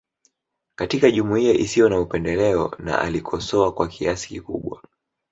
Katika jumuiya isiyo na upendeleo na alikosoa kwa kiasi kikubwa